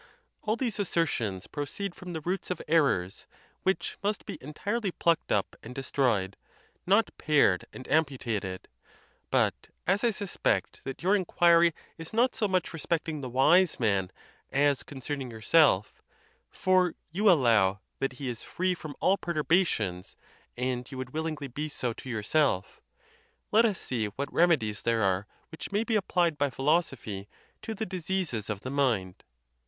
All these assertions proceed from the roots of errors, which must be entirely plucked up and destroyed, not pared and amputated. But as I suspect that your in 152 THE TUSCULAN DISPUTATIONS. quiry is not so much respecting the wise man as concern ing yourself (for you allow that he is free from all pertur bations, and you would willingly be so too yourself), let us see what remedies there are which may be applied by phi losophy to the diseases of the mind.